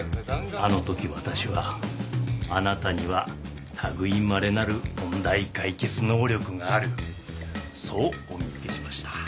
あの時私はあなたには類い稀なる問題解決能力があるそうお見受けしました。